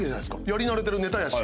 やり慣れてるネタやし。